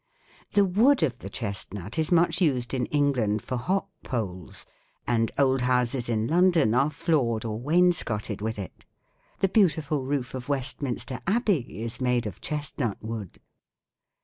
"The wood of the chestnut is much used in England for hop poles, and old houses in London are floored or wainscoted with it. The beautiful roof of Westminster Abbey is made of chestnut wood.